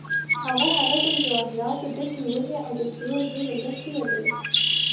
هغه هلته د جواهراتو ډکې ونې او د سرو زرو لوښي ولیدل.